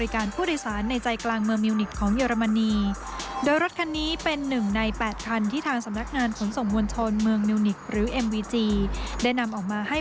การประชาชนอีก๔๐คันภายในปีหน้า